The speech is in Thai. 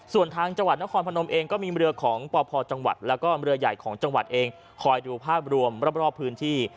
ส่วนทางจังหวัดนครพนมเองก็มีเรือของปพจังหวัดแล้วก็เรือใหญ่ของจังหวัดเองคอยดูภาพรวมรอบพื้นที่